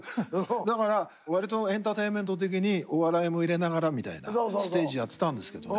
だからわりとエンターテインメント的にお笑いも入れながらみたいなステージやってたんですけどね